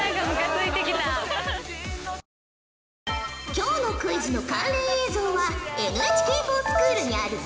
今日のクイズの関連映像はＮＨＫｆｏｒＳｃｈｏｏｌにあるぞ。